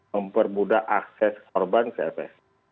mempermudah akses korban ke fs